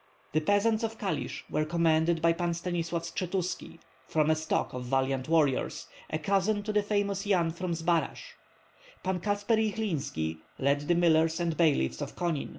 The peasants of Kalisk were commanded by Pan Stanislav Skshetuski, from a stock of valiant warriors, a cousin of the famous Yan from Zbaraj. Pan Katsper Jyhlinski led the millers and bailiffs of Konin.